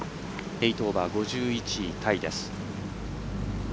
８オーバー、５１位タイです。